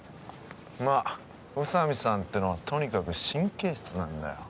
まッ宇佐美さんってのはとにかく神経質なんだよ